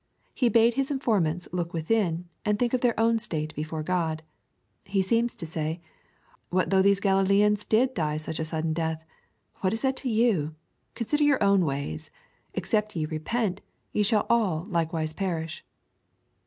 He bade His intormants look within, and think of their own state before Crod. He seems to say, '' What though these Gralileans did die a sudden death ? What is that to you ? Consider your own ways. Except ye repent, ye shall all likewise peiish."